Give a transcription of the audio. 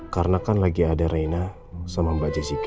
karena kan lagi ada reina sama mbak jessyka